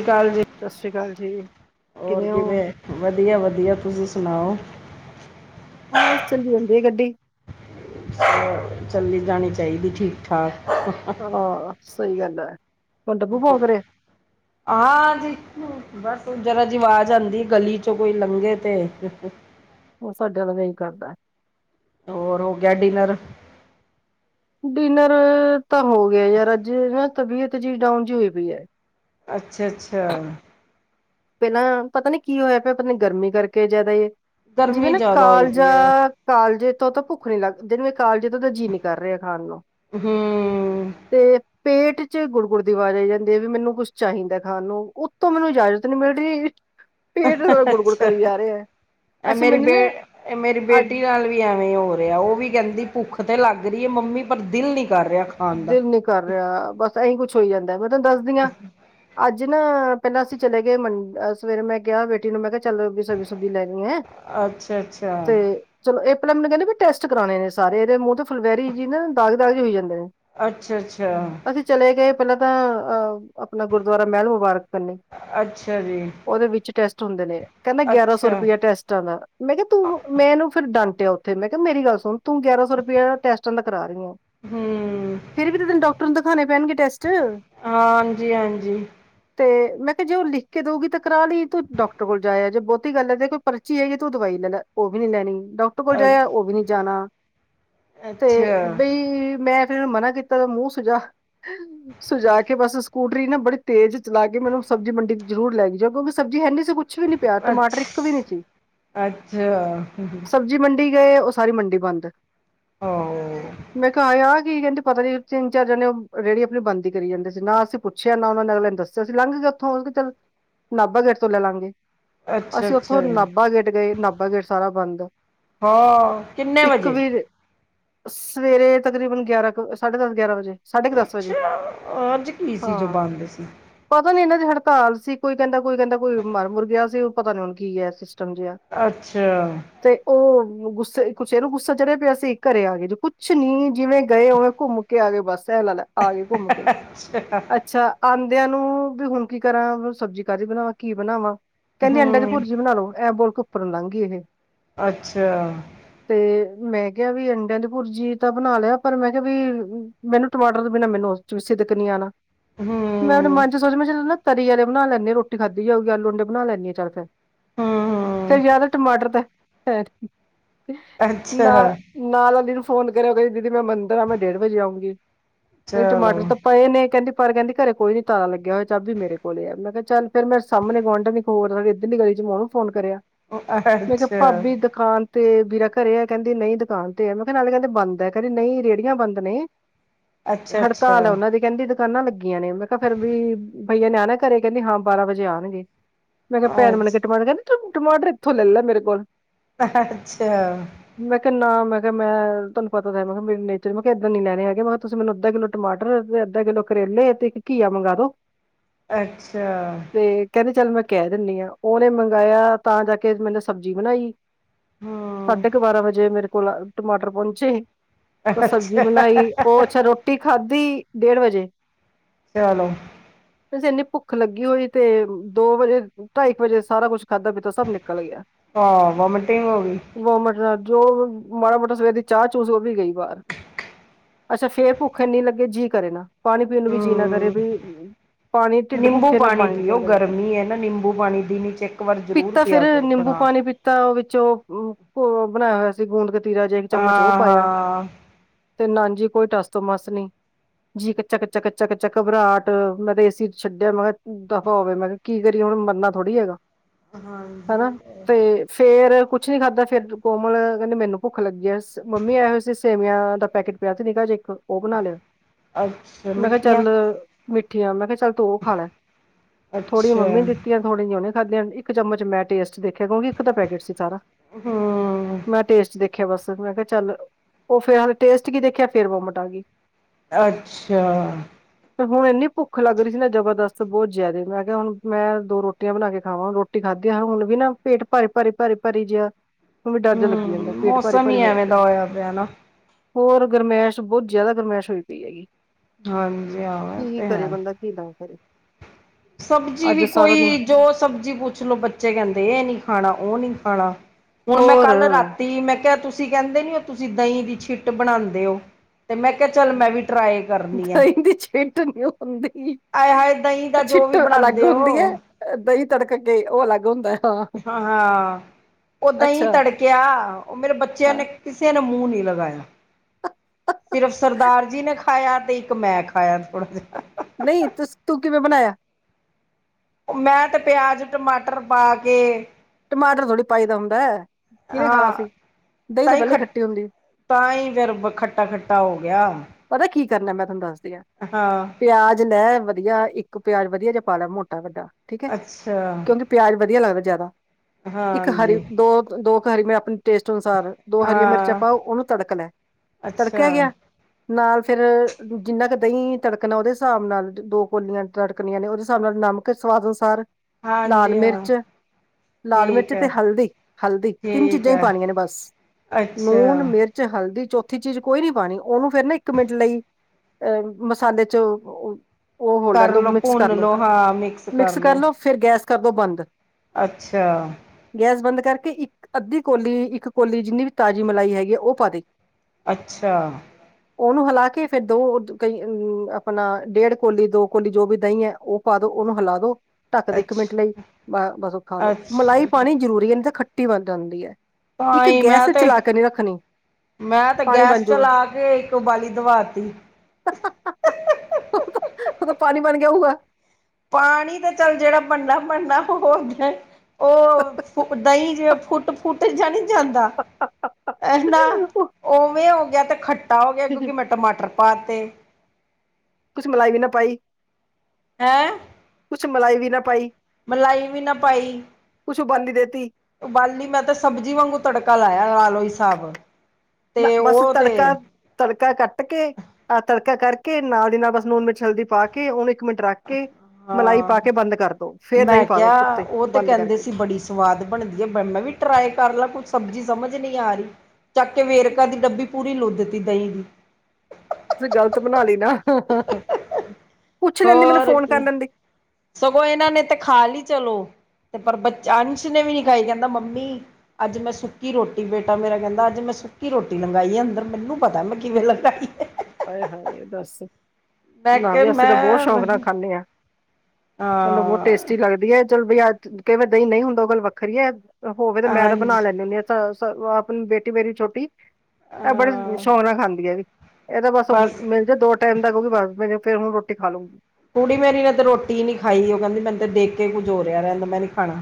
ਸਤ੍ਰੀ ਅਕਾਲ ਜੀ ਸਤਿ ਸ੍ਰੀ ਅਕਾਲ ਜੀ ਹੋਰ ਕਿਵੇਂ ਵਧੀਆ ਵਧੀਆ ਤੁਸੀਂ ਸੁਣਾਓ ਆਹੋ ਬਸ ਚੱਲੀ ਜਾਂਦੀ ਆ ਗੱਡੀ ਚੱਲੀ ਜਾਣੀ ਚਾਹੀਦੀ ਠੀਕ ਠਾਕ ਹਾਂ ਸਹੀ ਗੱਲ ਹੈ ਹੁ ਡੱਬੂ ਭੌਂਰ ਰਿਹਾ ਹਾਂਜੀ ਬਸ ਜਰ ਜ ਆਜ਼ ਆਉਂਦੀ ਗਲੀ ਚੋਂ ਕੋਈ ਲੰਘੇ ਤੇ ਉਹ ਸਾਡੇ ਦਾ ਨਹੀਂ ਕਰਦਾ ਹੋਰ ਹੋ ਗਿਆ ਡਿਨਰ ਡਿਨਰ ਤਾਂ ਹੋ ਗਿਆ ਯਾਰ ਅੱਜ ਨਾ ਤਬੀਅਤ ਜਿ ਡਾਊਨ ਜਿ ਹੋਈ ਪਈ ਹੈ ਅੱਛਾ ਅੱਛਾ ਪਹਿਲਾਂ ਪਤਾ ਨੀ ਕੀ ਹੋਇਆ ਪਿਆ ਪਤਾ ਨੀ ਗਰਮੀ ਕਰਕੇ ਜ਼ਿਆਦਾ ਜਿਵੇਂ ਗਰਮੀ ਨਾ ਜ਼ਿਆਦਾ ਹੋਈ ਕਾਲਜਾ ਪਈ ਹੈ ਕਾਲਜੇ ਤੋਂ ਤਾਂ ਭੁੱਖ ਨੀ ਲੱਗ ਰਹੀ ਜਿਵੇਂ ਕਾਲਜੇ ਤੋਂ ਤਾਂ ਜੀਅ ਨੀ ਕਰ ਰਿਹਾ ਖਾਣ ਨੂੰ। ਹੂੰ ਤੇ ਪੇਟ ਚ ਗੁੜ ਗੁੜ ਦੀ ਆਵਾਜ਼ ਆਈ ਜਾਂਦੀ ਹੈ ਵੀ ਮੈਨੂੰ ਕੁਛ ਚਾਹੀਦਾ ਖਾਣ ਨੂੰ ਉੱਤੋਂ ਮੈਨੂੰ ਇਜਾਜ਼ਤ ਨੀ ਮਿਲ ਦੀ। ਅੱਛਾ ਐ ਅੱਛਾ ਮੇਰੀ ਮੈਨੂੰ ਨਾ ਬੇ ਮੇਰੀ ਅੱਜ ਬੇਟੀ ਨਾਲ ਵੀ ਐਵੇਂ ਹੋਰ ਰਿਹਾ। ਉਹ ਵੀ ਕਹਿੰਦੀ ਭੁੱਖ ਤੇ ਲੱਗ ਰਹੀ ਹੈ ਮੰਮੀ ਪਰ ਦਿਲ ਨੀ ਕਰ ਰਿਹਾ ਖਾਣ ਨੂੰ। ਦਿਲ ਨੀ ਕਰ ਰਿਹਾ ਬਸ ਇਹੀ ਕੁੱਛ ਹੋਈ ਜਾਂਦਾ ਮੈਂ ਤੁਹਾਨੂੰ ਦੱਸਦੀ ਹਾਂ ਅੱਜ ਨਾ ਪਹਿਲਾਂ ਅਸੀਂ ਚਲੇ ਗਏ ਮੰਦਰ ਸਵੇਰੇ ਮੈਂ ਗਿਆ ਬੇਟੀ ਨੂੰ ਮੈਂ ਕਿਹਾ ਚੱਲ ਵੀ ਸਬਜੀ ਸੂਬਜੀ ਲੈਣੀ ਹੈ ਅੱਛਾ ਅੱਛਾ ਤੇ ਚਲੋ ਇਹ ਪਹਿਲਾ ਮੈਨੂੰ ਕਹਿੰਦੇ ਵੀ ਟੈਸਟ ਕਰਾਣੇ ਨੇ ਸਾਰੇ ਇਹਦੇ ਮੂੰਹ ਤੇ ਫੁਲੈਰੀ ਜੀ ਨਾ ਦਾਗ਼ ਦਾਗ ਜੇ ਹੋਈ ਜਾਂਦੇ ਨੇ। ਅੱਛਾ ਅੱਛਾ ਅਸੀਂ ਚਲੇ ਗਏ ਪਹਿਲਾਂ ਤਾਂ ਅਹ ਆਪਣਾ ਗੁਰਦੁਆਰਾ ਮਹਿਲ ਮੁਬਾਰਕ ਕਣੀ ਅੱਛਾ ਜੀ। ਉਹਦੇ ਵਿੱਚ ਟੈਸਟ ਹੁੰਦੇ ਨੇ ਕਹਿੰਦਾ ਗਿਆਰਾਂ ਸੌ ਅੱਛਾ ਰੁਪਇਆ ਟੈਸਟਾਂ ਦਾ ਮੈਂ ਕਿਹਾ ਤੂੰ ਮੈਂ ਇਹਨੂੰ ਫਿਰ ਡਾਂਟਿਆ ਉਥੇ ਮੈਂ ਕਿਹਾ ਮੇਰੀ ਗੱਲ ਸੁਣ ਤੂੰ ਗਿਆਰਾਂ ਸੌ ਰੁਪਇਆ ਟੈਸਟਾਂ ਦਾ ਕਰ ਰਿਹਾ। ਹੂੰ ਫੇਰ ਵੀ ਤੇ ਤੈਨੂੰ ਡਾਕਟਰ ਨੂੰ ਦਿਖਾਉਣੇ ਪੈਣਗੇ ਟੈਸਟ ਹਾਂ ਹਾਂਜੀ ਹਾਂਜੀ। ਤੇ ਮੈਂ ਕਿਹਾ ਜੇ ਉਹ ਲਿਖ ਕੇ ਦਊਗੀ ਤਾਂ ਕਰਾ ਲਈ ਤੂੰ ਡਾਕਟਰ ਕੋਲ ਜਾਇਆ ਜੇ ਬਹੁਤੀ ਗੱਲ ਹੈ ਦੇਖ ਪਰਚੀ ਐ ਤੂੰ ਦਵਾਈ ਲੈ ਲਾ ਉਹ ਵੀ ਨੀ ਲੈਣੀ ਡਾਕਟਰ ਕੋਲ ਅ ਜਾਇਆ ਉਹ ਵੀ ਨੀ ਜਾਣਾ ਤੇ ਅੱਛਾ ਬਈ ਮੈਂ ਨੇ ਮਨਾ ਕੀਤਾ ਉਹ ਮੂੰਹ ਸੁਜਾ [inaudible] ਕੇ ਬਸ ਸਕੂਟਰੀ ਨਾ ਬੜੀ ਤੇਜ਼ ਚਲਾ ਕੇ ਮੈਨੂੰ ਸਬਜ਼ੀ ਮੰਡੀ ਜ਼ਰੂਰ ਲੈ ਕੇ ਜਾਓ ਕਿਉਂਕਿ ਸਬਜ਼ੀ ਹੈਨੀ ਸੀ ਕੁਛ ਕੁਛ ਵੀ ਨੀ ਪਿਆ ਅੱਛ ਟਮਾਟਰ ਇੱਕ ਵੀ ਨੀ ਸੀ ਅੱਛਾ ਸਬਜ਼ੀ ਮੰਡੀ ਗਏ ਉਹ ਸਾਰੀ ਮੰਡੀ ਬੰਦ ਹੋ ਮੈਂ ਕਿਹਾ ਕੀ ਕਹਿੰਦੇ ਪਤਾ ਨੀ ਤਿੰਨ ਚਾਰ ਜਣੇ ਉਹ ਰੇਹੜੀ ਆਪਣੀ ਬੰਦ ਕਰੀ ਜਾਂਦੇ ਸੀ ਨਾ ਅਸੀਂ ਪੁੱਛਿਆ ਨਾ ਉਹਨਾਂ ਨੇ ਅਗਲਿਆਂ ਨੇ ਦੱਸਿਆ ਅਸੀਂ ਲੰਘਗੇ ਉੱਥੋਂ ਅਸੀ ਕਿਹਾ ਚਲ ਨਾਭਾ ਗੇਟ ਤੋਂ ਲੈ ਲਾਂਗੇ। ਅੱਛਾ ਅਸੀਂ ਉੱਥੋਂ ਅੱਛਾ ਜੀ ਨਾਭਾ ਗੇਟ ਗਏ ਨਾਭਾ ਗੇਟ ਸਾਰਾ ਬੰਦ। ਹਾਂ ਕਿੰਨੇ ਇੱਕ ਵਜੇ ਵੀ ਸਵੇਰੇ ਤਕਰੀਬਨ ਗਿਆਰਾਂ ਕੁ ਸਾਢੇ ਦਸ ਗਿਆਰਾਂ ਵਜੇ ਸਾਢੇ ਕੁ ਦਸ ਵਜੇ ਅੱਛਾ ਅੱਜ ਕੀ ਸੀ ਜੋ ਹਾਂ ਬੰਦ ਸੀ। ਪਤਾ ਨੀ ਇਹਨਾਂ ਦੀ ਹੜਤਾਲ ਸੀ ਕੋਈ ਕਹਿੰਦਾ ਕੋਈ ਕਹਿੰਦਾ ਕੋਈ ਮਰ ਮੁਰ ਗਿਆ ਸੀ ਉਹ ਪਤਾ ਨੀ ਹੁਣ ਕੀ ਹੈ ਸਿਸਟਮ ਜਿਹਾ। ਅੱਛਾ। ਤੇ ਉਹ ਗੁੱਸੇੇ ਨੂੰ ਗੁੱਸਾ ਚੜਿਆ ਪਿਆ ਅਸੀਂ ਘਰੇ ਆ ਗਏ ਜ ਕੁਛ ਨੀ ਜਿਵੇਂ ਗਏ ਉਵੇਂ ਘੁੰਮ ਕੇ ਆ ਗਏ ਬੱਸ ਇਹ ਲ ਲ ਆ ਗਏ ਘੁੰਮ ਕੇ ਅੱਛਾ ਅੱਛਾ ਆਉਂਦਿਆਂ ਨੂੰ ਵੀ ਹੁਣ ਕੀ ਕਰਾਂ ਸਬਜ਼ੀ ਕਾਹਦੀ ਬਣਾਵ ਕੀ ਬਣਾਵਾਾਂ ਕਹਿੰਦੀ ਅੰਡਿਆ ਦੀ ਹੂੰ ਭੁਰਜੀ ਬਣਾ ਲਓ ਐਂ ਬੋਲ ਕੇ ਉੱਪਰ ਨੂੰ ਲੰਘ ਗਈ ਇਹ ਅੱਛਾ। ਤੇ ਮੈਂ ਕਿਹਾ ਵੀ ਅੰਡਿਆਂ ਦੀ ਭੁਰਜੀ ਤਾਂ ਬਣਾ ਲਿਆ ਹੈ। ਪਰ ਮੈਂ ਕਿਹਾ ਵੀ ਮੈਨੂੰ ਟਮਾਟਰ ਤੋਂ ਬਿਨਾਂ ਮੈਨੂੰ ਸਿਦਕ ਨਹੀਂ ਆਣਾ। ਹੂੰ। ਮੈਂ ਆਪਣੇ ਮਨ 'ਚ ਸੋਚਿਆ ਮੈਂ ਚਲ ਤਰੀ ਵਾਲੇ ਬਣਾ ਲੈਣੀ ਹਾਂ। ਰੋਟੀ ਖਾਂਦੀ ਜਾਊਗੀ ਆਲੂ ਅੰਡੇ ਬਣਾ ਲੈਂਦੀ ਹਾਂ ਚੱਲ ਫੇਰ। ਫਿਰ ਹੂੰ ਯਾਦ ਆਇਆ ਟਮਾਟਰ ਤਾਂ ਹੈਂਨੀ। ਅੱਛਾ ਨਾਲ ਵਾਲੀ ਨੂੰ ਫੋਨ ਕਰਿਆ ਉਹ ਕਹਿੰਦੀ ਦੀਦੀ ਮੈਂ ਮੰਦਿਰ ਹਾਂ ਮੈਂ ਡੇਢ ਵਜੇ ਆਊਂਗੀ। ਨਹੀ ਚਲੋ ਟਮਾਟਰ ਤੇ ਪਏ ਨੇ ਕਹਿੰਦੀ ਪਰ ਕਹਿੰਦੀ ਘਰੇ ਕੋਈ ਨੀ ਤਾਲਾ ਲੱਗਿਆ ਹੋਇਆ ਚਾਬੀ ਮੇਰੇ ਕੋਲ ਆ ਮੈਂ ਕਿਹਾ ਚੱਲ ਫੇਰ ਮੈਂ ਸਾਹਮਣੇ ਗੁਆਂਢੀ ਇੱਕ ਹੋਰ ਉਹ ਵੀ ਏਧਰ ਗਲੀ ਚੋਂ ਆ ਫੋਨ ਕਰਿਆ। ਮੈਂ ਕਿਹਾ ਅੱਛਾ ਭਾਬੀ ਦੁਕਾਨ ਤੇ ਵੀਰਾ ਘਰੇ ਆ ਕਹਿੰਦੀ ਨਹੀਂ ਦੁਕਾਨ ਤੇ ਹੈ ਮੈਂ ਕਿਹਾ ਨਾਲੇ ਕਹਿੰਦੇ ਬੰਦ ਹੈ ਕਹਿੰਦੀ ਨਹੀਂ ਰੇਹੜੀਆਂ ਬੰਦ ਨੇ ਅੱਛਾ ਹੜਤਾਲ ਅੱਛਾ ਉਹਨਾਂ ਦੇ। ਕਹਿੰਦੀ ਦੁਕਾਨਾਂ ਲੱਗੀਆਂ ਨੇ ਮੈਂ ਕਿਹਾ ਫੇਰ ਵੀ ਭਈਆ ਨੇ ਆਉਣਾ ਘਰੇ ਕਹਿੰਦੀ ਹਾਂ ਬਾਰਾਂ ਵਜੇ ਆਉਣਗੇ। ਮੈਂ ਕਿਹਾ ਭੈਣ ਬਣਕੇ ਅੱਛ ਮਤਲਬ ਕਹਿੰਦੀ ਤੂੰ ਟਮਾਟਰ ਇੱਥੋਂ ਲੈ ਲਾ ਮੇਰੇ ਕੋਲ ਅੱਛਾ। ਮੈਂ ਕਿਹਾ ਨਾ ਮੈਂ ਕਿਹਾ ਮੈਂ ਤੁਹਾਨੂੰ। ਪਤਾ ਤਾਂ ਹੈ। ਉਹਨੂੰ ਮੇਰੇ ਨੇਚਰ ਮੈਂ ਕਿਹਾ ਏਦਾਂ ਨੀ ਲੈਣੇ ਹੈਗੇ ਮੈਂ ਕਿਹਾ ਤੁਸੀਂ ਮੈਨੂੰ ਅੱਧਾ ਕਿੱਲੋ ਟਮਾਟਰ ਤੇ ਅੱਧਾ ਕਿੱਲੋ ਕਰੇਲੇ ਤੇ ਇੱਕ ਘੀਆ ਮੰਗਗਾ ਦੋ। ਅੱਛਾ। ਤੇ ਕਹਿੰਦੀ ਚੱਲ ਮੈਂ ਕਹਿ ਦਿੰਦੀ ਆਂ ਉਹਨੇ ਮੰਗਾਇਆ ਤਾਂ ਜਾ ਕੇ ਮੈ ਅੱਜ ਸਬਜ਼ੀ ਬਣਾਈ। ਹੂੰ। ਸਾਢੇ ਕੁ ਬਾਰਾਂ ਵਜੇ ਮੇਰੇ ਕੋਲ ਟਮਾਟਰ ਪਹੁੰਚੇ। ਤਾਂ ਸਬਜ਼ੀ ਅੱਛਾ, ਬਣਾਈ ਉਹ ਅੱਛਾ ਰੋਟੀ ਖਾਧੀ ਡੇਢ ਵਜੇ। ਚਲੋ। ਵੈਸੇ ਇੰਨੀ ਭੁੱਖ ਲੱਗੀ ਹੋਈ ਤੇ ਦੋ ਵਜੇ। ਢਾਈ ਕੁ ਵਜੇ ਸਾਰਾ ਕੁੱਝ ਖਾਧਾ ਪੀਤਾ ਸਭ ਨਿਕਲ ਗਿਆ ਹੈ। ਹਾਂ ਵੋਮੀਟਿੰਗ ਹੋ ਗਈ। ਵੋਮੀਟ ਨਾਲ ਜੋ ਮਾੜਾ ਮੋਟਾ ਸਵੇਰ ਦੀ ਚਾਹ। ਪੀਤੀ ਸੀ ਉਹ ਵੀ ਗਈ ਬਾਹਰ ਅੱਛਾ ਫੇਿਰ ਭੁੱਖੇ ਐਨੀ ਲੱਗੇ ਜੀਅ ਕਰੇ ਨਾ। ਪਾਣੀ ਪੀਣ ਨੂੰ ਵੀ ਜੀਅ ਨਾ ਕਰੇ ਹੂੰ, ਵੀ। ਪਾਣੀ ਢਿੱਡ ਨਿੰਬੂ ਭੁੱਖੇ ਨਾਲ ਪਾਣੀ ਨਾ ਪੀਓ ਚੰਗਾ ਲੱਗੇ ਗਰਮੀ ਹੈ ਨਾ ਨਿੰਬੂ ਪਾਣੀ ਦਿਨ ਵਿੱਚ ਇੱਕ ਵਾਰ ਜ਼ਰੂਰ ਪੀਤਾ ਪਿਆ ਫਿਰ ਕਰੋ ਨਿੰਬੂ ਬਣਾ ਪਾਣੀ ਪੀਤਾ। ਤਾਂ ਉਹ ਵਿੱਚ ਉਹ ਬਣਾਇਆ ਹੋਇਆ ਸੀ ਗੂੰਦ ਕੁ ਤੀਰਾ ਜਾ ਇੱਕ ਕੇ ਚਮਚ ਉਹ। ਪਾਇਆ ਹਾਂ-ਹਾਂ। ਤੇ ਨਾ ਜੀ ਕੋਈ ਟਸ ਤੋਂ ਮਸ ਨਹੀਂ। ਜੀ ਕੱਚਾ ਕੱਚਾ ਕੱਚਾ ਕੱਚਾ ਘਬਰਾਹਟ ਮੈਂ ਤੇ ਏਸੀ ਛੱਡਿਆ ਮੈਂ ਕਿਹਾ ਦਫ਼ਾ ਹੋਵੇ ਮੈਂ ਕਿਹਾ। ਕੀ ਕਰੀਏ ਹੁਣ ਮਰਨਾ ਥੋੜ੍ਹੀ ਹੈਗਾ ਹਾਂਜੀ ਹਨਾ ਉਹ ਹੈ, ਤੇ। ਫੇਰ ਕੁੱਛ ਨੀ ਖਾਧਾ ਫੇਰ ਕੋਮਲ ਕਹਿੰਦੇ ਮੈਨੂੰ ਭੁੱਖ ਲੱਗਿਆ। ਮੰਮੀ ਇਹੋ ਸੀ ਸੇਵੀਆਂ ਦਾ ਪੈਕਟ ਪਿਆ ਸੀ ਨਿੱਕਾ ਜਿਹਾ ਇੱਕ। ਉਹ ਬਣਾ ਲਿਆ ਅੱਛਾ ਮੈਂ ਕਿਹਾ ਮਿੱਠੀਆਂ ਚੱਲ। ਮਿੱਠੀਆਂ ਮੈਂ ਕਿਹਾ ਚੱਲ ਤੂੰ ਉਹ ਖਾ ਲਾ ਥੋੜੀਆਂ ਅੱਛਾ ਮੰਮੀ ਨੂੰ ਦਿੱਤੀਆਂ। ਥੋੜਿਆ ਜਿਹੀਆਂ ਉਹਨੇ ਖਾਧਿਆਂ ਕਿਉਂਕਿ ਇੱਕ ਚਮਚ ਮੈਂ ਟੇਸਟ ਦੇਖਿਆ ਕਿਉਂਕਿ ਇੱਕ ਤਾਂ ਪੈਕੇਟ ਸੀ ਸਾਰਾ। ਹਾਂ। ਮੈਂ ਟੇਸਟ ਦੇਖਿਆ ਬਸ ਮੈਂ ਕਿਹਾ ਚੱਲ ਉਹ ਫਿਲਹਾਲ ਟੇਸਟ ਕੀ ਦੇਖਿਆ ਉਹ ਫੇਰ ਬੋਮਟ ਆ ਗਈ। ਅੱਛਾ। ਹੁਣ ਇੰਨੀ ਭੁੱਖ ਲੱਗ ਰਹੀ ਸੀ ਨਾ ਜਬਰਦਸਤ ਬਹੁਤ ਜ਼ਿਆਦਾ ਮੈਂ ਕਿਹਾ ਹੁਣ ਮੈਂ ਦੋ ਰੋਟੀ। ਰੋਟੀਆਂ ਬਣਾ ਕੇ ਖਾਵਾਂ ਰੋਟੀ ਖਾਧੀ ਹੁਣ ਵੀ ਨਾ ਪੇਟ ਭਾਰੀ ਭਾਰੀ ਭਾਰੀ ਜਿਹਾ। ਹੁਣ ਵੀ ਡਰ ਜਿਹਾ ਲੱਗੀ ਜਾਂਦਾ ਪੇਟ ਭਾਰੀ ਭਾਰੀ ਹੋਇਆ। ਪਿਆ ਲਾਈਆਂ ਪਿਆ ਨਾ। ਹੋਰ ਗਰਮੈਸ਼ ਬਹੁਤ ਜ਼ਿਆਦਾ ਗਰਮੈਸ਼ ਹੋਈ ਪਈ ਹੈਗੀ। ਹਾਂਜੀ ਹਾਂ ਆ ਕੀ ਤੇ ਕਰੇ ਹੈ। ਬੰਦਾ ਕੀ ਦਾਲ ਤਰੀ। ਸਬਜ਼ੀ ਵੀ ਕੋਈ ਜੋ ਸਬਜ਼ੀ ਪੁੱਛ ਲੋੋ ਬੱਚੇ ਕਹਿੰਦੇ ਇਹ ਨਹੀਂ ਖਾਣਾ ਉਹ ਨੀ ਖਾਣਾ। ਹੁਣ ਮੈਂ ਹੋਰ ਕੱਲ ਰਾਤੀ ਮੈਂ ਕਿਹਾ ਤੁਸੀਂ ਕਹਿੰਦੇ ਨੀ ਹੋ ਤੁਸੀਂ ਦਹੀਂ ਦੀ ਛਿੱਟ ਬਣਾਉਂਦੇ ਹੋ। ਤੇ ਮੈਂ ਕਿਹਾ- ਚੱਲ, ਮੈਂ ਵੀ ਟਰਾਈ ਕਰਨੀ ਆ। ਦਹੀਂ [unintelligible] [inaudible] ਹੁੰਦੀ ਆਏ ਹਾਏ ਦਹੀਂ ਦਾ ਜੋ ਛਿੱਟ ਵੀ ਅਲੱਗ ਬਣਾਉਂਦੇ ਹੁੰਦੀ ਹੈ ਹੋ ਦਹੀਂ ਤੜਕ ਕੇ ਉਹ ਅਲੱਗ ਹੁੰਦਾ ਹੈ। ਹਾਂ ਹਾਂ, ਹਾਂ ਓ ਦਈਂ ਅੱਛਾ ਤੜਕਿਆ। ਉਹ ਮੇਰੇ ਬੱਚਿਆਂ ਨੇ ਹਾਂ ਕਿਸੇ ਨੇ ਮੂੰਹ ਨੀ ਲਗਾਇਆ। ਸਿਰਫ਼ ਸਰਦਾਰ ਜੀ ਨੇ ਖਾਇਆ ਤੇ ਇੱਕ ਮੈਂ ਖਾਇਆ ਥੋੜਾ ਜਿਹਾ ਨਹੀਂ ਤੁਸ ਤੂੰ ਕਿਵੇਂ ਬਣਾਇਆ। ਮੈਂ ਤੇ ਪਿਆਜ, ਟਮਾਟਰ ਪਾ ਕੇ ਟਮਾਟਰ ਥੋੜ੍ਹੀ ਪਾਈ ਦਾ ਹੁੰਦਾ। ਕਿਹਨੇ ਖਾਣਾ ਹਾਂ ਸੀ। ਦਹੀਂ ਤਾਂ ਤਾਂਹੀ ਪਹਿਲਾਂ ਹੀ ਖੱਟ ਖੱਟੀ ਹੁੰਦੀ। ਤਾਂ ਹੀ ਫੇਿਰ ਖੱਟਾ ਖੱਟਾ ਹੋ ਗਿਆ। ਪਤਾ ਕੀ ਕਰਨਾ ਮੈਂ ਤੁਹਾਨੂੰ ਦੱਸਦੀ ਹਾਂ। ਹਾਂ। ਪਿਆਜ ਲੈ ਵਧੀਆ, ਇੱਕ ਪਿਆਜ ਵਧੀਆ ਜਿਹਾ ਪਾ ਲਾ ਮੋਟਾ ਵੱਡਾ ਠੀਕ ਹੈ‌। ਅੱਛਾ ਕਿਉਂਕਿ ਪਿਆਜ ਵਧੀਆ ਲੱਗਦਾ। ਜ਼ਿਆਦਾ ਇੱਕ ਹਰੀ, ਹਾਂਜੀ ਦੋ, ਦੋ ਕੁ ਹਰੀ ਮੈਂ ਆਪਣੇ ਟੇਸਟ ਅਨੁਸਾਰ ਦੋ ਹਰੀਆਂ ਮਿਰਚਾਂ ਹਾਂ ਪਾਓ ਉਹਨੂੰ ਤੜਕ ਲੈ, ਅੱਛਾ ਤੜਕਿਆ ਗਿਆ। ਨਾਲ ਫੇਿਰ ਜਿੰਨਾ ਕੁ ਦਹੀਂ ਤੜਕਣਾ। ਉਹਦੇ ਹਿਸਾਬ ਨਾਲ ਦੋ ਕੋਲੀਆਂ ਤੜਕਣੀਆਂ ਨੇ ਉਹਦੇ ਹਿਸਾਬ ਨਾਲ ਨਮਕ ਫਿਰ ਸਵਾਦ ਅਨੁਸਾਰ ਲਾਲ ਹਾਂਜੀ। ਹਾਂ ਮਿਰਚ ਲਾਲ ਮਿਰਚ ਠੀਕ ਹੈ ਤੇ ਹਲਦੀ। ਹਲਦੀ ਤਿੰਨ ਠੀਕ ਚੀਜ਼ਾਂ ਹੀ ਹੈ ਪਾਣੀਆਂ ਨੇ ਬਸ ਅੱਛਾ ਲੂਣ, ਮਿਰਚ ਤੇ ਹਲਦੀ ਚੌਥੀ ਚੀਜ਼ ਕੋਈ ਨੀ ਪਾਣੀ ਉਹਨੂੰ ਫੇਰ ਨਾ ਇਕ ਚ ਇੱਕ ਮਿੰਟ ਲਈ ਅ ਮਸਾਲੇ ਚ ਉਹ ਹੋ ਕਰ ਲੈਂਦੋ, ਲਓ ਮਿਕਸ ਕਰ ਭੁੰਨ ਲੋ। ਲਓ ਹਾਂ ਮਿਕਸ ਕਰ ਲਓ ਲੋ ਫਿਰ ਗੈਸ ਕਰਦੋ ਬੰਦ। ਅੱਛਾ। ਗੈਸ ਬੰਦ ਕਰਕੇ। ਇੱਕ ਅੱਧੀ ਕੋੌਲੀ, ਇੱਕ ਕੌਲੀ ਜਿੰਨੀ ਵੀ ਤਾਜ਼ੀ ਮਲਾਈ ਹੈਗੀ ਹੈ। ਉਹ ਪਾ ਦੇ ਅੱਛਾ। ਉਹਨੂੰ ਹਿਲਾ ਕੇ ਫੇਿਰ ਦੋ ਕਈ ਅ ਆਪਣਾ ਡੇਢ ਕੋਲੀ, ਦੋ ਕੋਲੀ ਜੋ ਵੀ ਦਹੀਂ ਹੈ। ਉਹ ਪਾ ਦੋ ਉਹਨੂੰ ਹਲਾ ਦੋ ਢੱਕਦੇ ਇੱਕ ਅੱਛਾ ਮਿੰਟ ਲਈ ਬ-ਬਸ ਖਾ ਲਓ। ਮਲਾਈ ਅੱਛਾ ਪਾਣੀ ਜ਼ਰੂਰੀ ਹੈ ਨਹੀਂ ਤਾਂ ਖੱਟੀ ਵੱਧ ਜਾਂਦੀ ਹੈ‌। ‌ ਤਾਂ ਹੀ ਮੈਂ ਤੇ ਮੈਂ ਤੇ ਪਾਣੀ ਗੈਸ ਬਣ ਜੂਗਾ ਚਲਾ ਕੇ ਇਹ ਇੱਕ ਉਬਾਲੀ ਦਵਾਤੀ ਉਹਦਾ ਪਾਣੀ, ਪਾਣੀ ਗਿਆਊਗਾ। ਪਾਣੀ ਤਾਂ ਚੱਲ ਜਿਹੜਾ ਬਣਨਾ-ਬਣਨਾ ਹੋ ਗਿਆ ਉਹ ਫ ਦਹੀਂ ਜੇ ਫੁੱਟ ਸਕੂਟਰ ਜਾ ਨਹੀਂ ਜਾਂਦਾ। ਇਹ ਨਾ ਉਵੇਂ ਹੋ ਗਿਆ ਤੇ ਖੱ ਤਾਂ ਹੋ ਗਿਆ ਕਿਉਂਕਿ ਮੈਂ ਟਮਾਟਰ ਪਾਤੇ। ਕੁਛ ਮਲਾਈ ਵੀ ਨਾ ਪਾਈ ਹੈਂ। ਕੁਛ ਮਲਾਈ ਵੀ ਨਾ ਪਾਈ। ਮਲਾਈ ਵੀ ਨਾ ਪਾਈ। ਕੁਛ ਉਬਾਲੀ ਦੇਤੀ। ਉਬਾਲੀ, ਮੈਂ ਤੇ ਸਬਜ਼ੀ ਵਾਂਗੂ ਤੜਕਾ ਲਾਇਆ ਲ ਲੋੋਈ ਓਹੀ ਸਾਬ ਨਾ ਤੇ ਬਸ ਉਹ ਤੇ ਤੜਕਾ ਤੜਕਾ ਕੱਟ ਕੇ ਆਹ ਤੜਕਾ ਕਰਕੇ ਨਾਲ ਦੀ ਨਾਲ ਬਸ ਨੂਨ, ਮਿਰਚ, ਹਲਦੀ ਪਾ ਕੇ ਉਹਨੂੰ ਇੱਕ ਮਿੰਟ ਰੱਖ ਕੇ ਮਲਾਈ ਹਾਂ ਪਾ ਕੇ ਬੰਦ ਕਰਦੋ। ਫੇਰ ਮੈਂ ਦਹੀਂ ਪਾ ਦੋ ਕਿਹਾ ਉੱਤੇ ਉਹ ਤੇ ਬੰਦ ਕਹਿੰਦੇ ਕਰਕੇ ਸੀ ਬੜੀ ਸਵਾਦ ਬਣਦੀ ਹੈ। ਮੈਂ ਵੀ ਟਰਾਈ ਕਰ ਲ ਕੁਝ ਸਬਜ਼ੀ ਸਮਝ ਨਹੀਂ ਆ ਰਹੀ। ਚੱਕ ਕੇ ਵੇਰਕਾ ਦੀ ਡੱਬੀ ਪੂਰੀ ਲੁੱਦਤੀ ਦਹੀਂ ਦੀ ਤੁਸੀਂ ਗ਼ਲਤ ਬਣਾ ਲਈ ਨਾ--ਪੁੱਛ ਲੈਂਦੀ ਮੈਨੂੰ ਹੋਰ ਫੋਨ ਕਰ ਕੀ ਲੈਂਦੀ। ਸਗੋਂ ਇਹਨਾਂ ਨੇ ਤੇ ਖਾ ਲਈ ਚਲੋ ਤੇ ਪਰ ਬਚ ਅੰਸ਼ ਨੇ ਵੀ ਨੀ ਖਾਈ ਕਹਿੰਦਾ-ਮੰਮੀ ਅੱਜ ਮੈਂ ਸੁੱਕੀ ਰੋਟੀ ਬੇਟਾ ਮੇਰਾ ਕਹਿੰਦਾ-ਅੱਜ ਮੈਂ ਕੀ ਰੋਟੀ ਲੰਗਾਈਏ ਅੰਦਰ ਮੈਨੂੰ ਪਤਾ, ਮੈਂ ਕਿਵੇਂ ਲੰਗਾਈ ਹੈ ਹਾਏ ਹਾਏ ਇਹ ਦੱਸ। ਮੈਂ ਨਾ ਕਿਹਾ ਵੀ ਅਸੀਂ ਤਾਂ ਬਹੁਤ ਮੈਂ ਸ਼ੌਕ ਨਾਲ ਖਾਣੇ ਹਾਂ ਸਾਨੂੰ ਬਹੁਤ ਹਾਂ ਟੇਸਟੀ ਲੱਗਦੀ ਹੈ ਚਲ ਬਈ ਕਈ ਵਾਰ ਦਹੀਂ ਨਹੀਂ ਹੁੰਦਾ ਉਹ ਗੱਲ ਵੱਖਰੀ ਹੈ, ਹੋਵੇ ਤੇ ਮੈਂ ਤਾਂ ਹਾਂਜੀ ਬਣਾ ਲੈਣੀ ਹੁਣੀ ਹਾਂ। ਆਪਣੀ ਬੇਟੀ ਮੇਰੀ ਛੋਟੀ ਐ ਬੜੇ ਹਾਂ ਸ਼ੌਂਕ ਨਾਲ ਖਾਂਦੀ ਹੈ। ਇਹ ਤਾਂ ਬਸ ਮਿਲ ਜਾ ਦੋ ਟਾਈਮ ਤਕ ਓਹ ਹੀ ਬਸ ਮੈ ਫੇਰ ਹੁਣ ਰੋਟੀ ਖਾ ਲੂੰਗੀ। ਕੁੜੀ ਮੇਰੀ ਨੇ ਤੇ ਰੋਟੀ ਨੀ ਖਾਈ, ਉਹ ਕਹਿੰਦੀ ਮੈਨੂੰ ਤੇ ਦੇਖ ਕੇ ਕੁੱਝ ਹੋ ਰਿਹਾ ਰਹਿਣ ਦੋ, ਮੈਂ ਨੀ ਖਾਣਾ।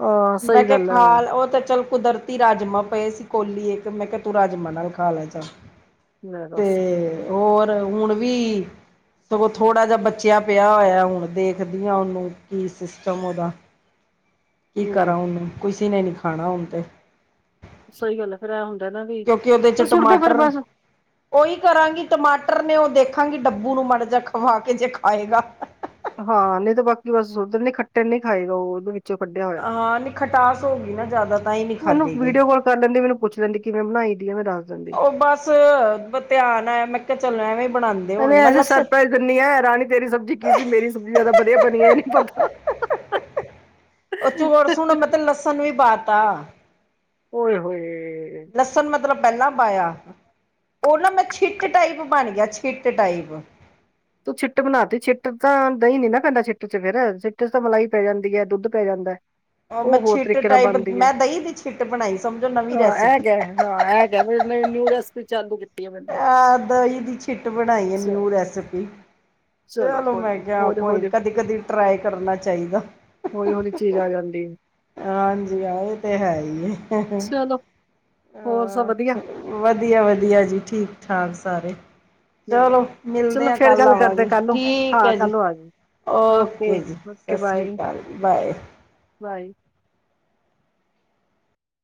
ਹਾਂ ਮੈਂ ਸਹੀ ਕਿਹਾ ਗੱਲ ਹੈ ਖਾਲ, ਉਹ ਤੇ ਚੱਲ ਕੁਦਰਤੀ ਰਾਜਮਾ ਪਏ ਸੀ ਕੋਲੀ ਇੱਕ, ਮੈਂ ਕਿਹਾ ਤੂੰ ਰਾਜਮਾ ਨਾਲ ਖਾ ਲੈ ਚਲ। ਲੈ ਦਸ। ਹੋਰ ਹੁਣ ਵੀ ਸਗੋਂ ਥੋੜ੍ਹਾ ਜਿਹਾ ਬਚਿਆ ਪਿਆ ਹੋਇਆ, ਹੁਣ ਦੇਖਦੀ ਹਾਂ ਉਹਨੂੰ ਕੀ ਸਿਸਟਮ ਉਹਦਾ। ਕੀ ਲੈ ਕਰਾਂ, ਓਹਨੂੰ ਕਿਸੀ ਨੇ ਨਹੀਂ ਖਾਣਾ ਹੁਣ ਤੇ। ਸਹੀ ਗੱਲ ਹੈ, ਫੇਰ ਇਹ ਹੁੰਦਾ ਨਾ ਵੀ ਸੁਟ ਦੋ ਫਿਰ ਬਸ। ਓਹੀ ਕਰਾਂਗੀ ਟਮਾਟਰ ਨੇ ਓਹ ਦੇਖਾਂਗੀ ਡੱਬੂ ਨੂੰ ਮਾੜਾ ਜਾ ਖਵਾ ਕੇ ਜੇ ਖਾਏਗਾ। ਹਾਂ ਨਹੀਂ ਤਾਂ ਬਾਕੀ ਬਸ ਓਦਰ ਨੀ ਖੱਟੇ ਨੀ ਖਾਏਗਾ ਉਹਦੋ ਵੀ। ਵਿਚੋ ਕੱਢਿਆ ਹੋਇਆ, ਹਾਂ ਨਹੀਂ ਖਟਾਸ ਹੋ ਗਈ ਨਾ ਜ਼ਿਆਦਾ ਤਾਂ ਹੀ ਨਹੀਂ ਮੈਨੂੰ ਖਾਧੀ ਗਈ ਵੀਡੀਓ ਕਾਲ ਕਰ ਲੈਂਦੇ ਮੈਨੂੰ ਪੁੱਛ ਲੈਂਦੀ, ਕਿਵੇਂ ਬਣਾਈ ਦੀ ਹੈ ਮੈਂ ਦੱਸ ਦਿੰਦੀ। ਬ ਧਿਆਨ ਆਇਆ, ਮੈਂ ਕਿਹਾ ਚੱਲ ਐਵੇਂ ਬਣਾਉਂਦੀ ਪਹਿਲੇ ਐ ਨਾ ਸਰਪਰ ਗੰਨੀ ਹੈ, ਰਾਣੀ ਤੇਰੀ ਸਬਜ਼ੀ ਕੀ ਸੀ, ਮੇਰੀ ਸਬਜ਼ੀ ਜਿਆਦਾ ਵਧੀਆ ਬਣੀ ਹੈ ਇਹ ਨੀ ਪਤਾ। ਉਹ ਚੋਰਸ ਸੂਹ ਮੈ ਤੇ ਲਸਣ ਵੀ ਪਾ ਤਾ ਓਏ-ਹੋਏ। ਲਸਣ ਮਤਲਬ ਪਹਿਲਾਂ ਪਾਇਆ, ਉਹ ਨਾ ਮੈਂ ਛਿੱਟ ਟਾਈਪ ਬਣ ਗਿਆ, ਛਿੱਟ ਟਾਈਪ। ਤੂੰ ਛਿੱਟ ਬਨਾਤੀ ਛਿੱਟ ਚ ਤਾਂ ਦਹੀਂ ਨੀ ਨਾ ਪੈਂਦਾ, ਛਿੱਟ ਚ ਫਿਰ, ਛਿੱਟ ਚ ਤਾਂ ਮਲਾਈ ਪੈ ਜਾਂਦੀ ਹੈ, ਦੁੱਧ ਪੈ ਜਾਂਦਾ। ਮੈਂ ਉਹ ਹੋਰ ਛਿੱਟ ਤਰੀਕੇ ਨਾਲ ਟਾਈਪ ਬਣਦੀ ਹੈ, ਮੈਂ ਦਹੀਂ ਦੀ ਛਿੱਟ ਬਣਾਈ ਸਮਝੋ ਨਵੀਂ ਹਾਂ ਇਹ ਰੈਸਪੀ ਗ ਹਾਂ, ਇਹ- ਨੇ, ਨਿਊ ਰੈਸਪੀ ਚਾਲੂ ਕਿ ਆਹ ਦਹੀਂ ਦੀ ਛਿੱਟ ਬਣਾਈ ਹੈ, ਚ ਨਿਊ ਰੈਸਪੀ। ਚਲੋ, ਕੋਈ ਮੈਂ ਨੀ ਕਿਹਾ ਹੌਲੀ ਕੋਈ, ਹੌਲੀ ਕਦੀ-ਕਦੀ ਟ੍ਰਾਈ ਕਰਨਾ ਚਾਹੀਦਾ। ਹੌਲੀ-ਹੌਲੀ ਚੀਜ਼ ਆ ਜਾਂਦੀ। ਹਾਂਜੀ, ਆਹ ਇਹ ਤੇ ਹੈ ਹੀ ਏ ਚਲੋ, ਹੋਰ ਸਬ ਵਧੀਆ। ਵਧੀਆ, ਵਧੀਆ ਜੀ। ਠੀਕ-ਠਾਕ ਸਾਰੇ ਚਲੋ, ਮਿਲਦੇ ਚਲੋ ਆਂ ਫੇਰ ਕੱਲ੍ਹ ਗੱਲ ਕਰਦੇ ਆਵਾਂਗੇ, ਕੱਲ ਨੂੰ ਠੀਕ ਹਾਂ ਹੈ ਜੀ। ਕੱਲ ਨੂੰ ਆ ਜਾਈ ਓਕੇ ਜੀ, ਓਕੇ ਸਤਿ ਸ਼੍ਰੀ ਬਾਏ ਅਕਾਲ ਜੀ। ਬਾਏ। ਬਾਏ।